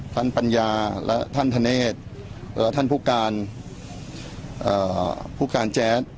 ท่านปัญญาและท่านทเนธและท่านผู้การเอ่อผู้การแจ๊ส